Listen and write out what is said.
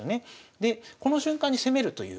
でこの瞬間に攻めるという。